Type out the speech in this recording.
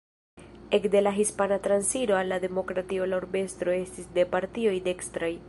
Ekde la Hispana transiro al la demokratio la urbestro estis de partioj dekstraj.